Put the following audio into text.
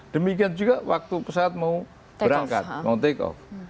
demikian juga waktu pesawat mau berangkat mau take off